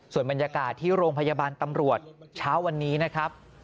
ส่วนบรรยากาศที่โรงพยาบาลตำรวจเช้าวันนี้นะครับ